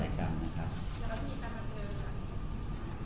แล้วคุณจะมีการคุยกับคุณการเข้ามา